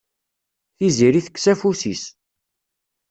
Tiziri tekkes afus-is.